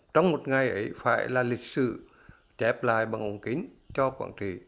trong một ngày ấy phải là lịch sử chép lại bằng ống kính cho quảng trị